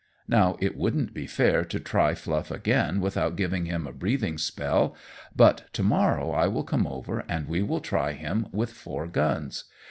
Now, it wouldn't be fair to try Fluff again without giving him a breathing spell, but to morrow I will come over, and we will try him with four guns.